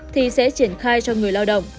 thì sẽ triển khai cho người lao động